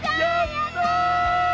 やった！